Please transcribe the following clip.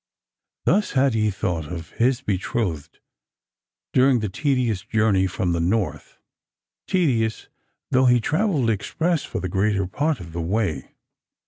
Thus had he thought of his betrothed during the tedious journey from the North, tedious though he travelled express for the greater part of the way.